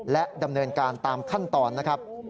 และดำเนินการตามขั้นตอนนะครับ